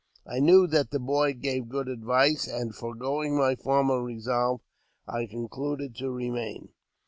I knew that the boy gave good advice, and, foregoing my former resolve, I concluded to remain.